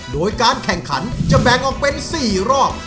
โดยการแข่งขันจะแบ่งออกเป็น๔รอบ